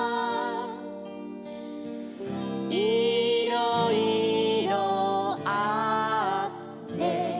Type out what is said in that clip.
「いろいろあって」